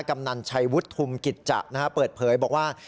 กำนันชัยวุฒิธุมกิจจะเปิดเผยบอกว่า